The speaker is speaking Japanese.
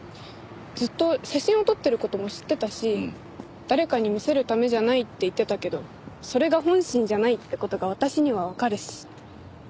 ずっと写真を撮ってる事も知ってたし誰かに見せるためじゃないって言ってたけどそれが本心じゃないって事が私にはわかるし。